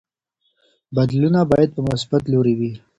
بدلونونه باید په مثبت لوري وي.